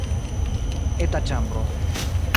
Eta ĉambro.